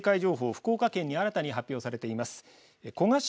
福岡県に新たに発表されています。